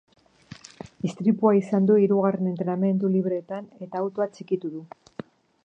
Istripua izan du hirugarren entrenamendu libreetan eta autoa txikitu du.